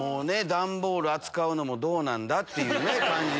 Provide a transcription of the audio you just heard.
段ボール扱うのもどうなんだ？っていう感じに。